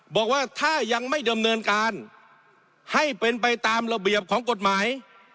บอกว่าถ้ายังไม่ดำเนินการให้เป็นไปตามระเบียบของกฎหมาย